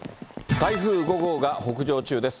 台風５号が北上中です。